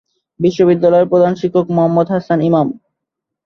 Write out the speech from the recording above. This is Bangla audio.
বিদ্যালয়ের প্রধান শিক্ষক জনাব মোহাম্মদ হাসান ইমাম।